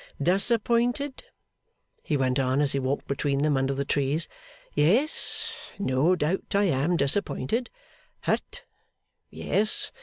'Disappointed?' he went on, as he walked between them under the trees. 'Yes. No doubt I am disappointed. Hurt? Yes.